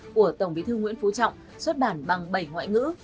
của tổng bí thư nguyễn phú trọng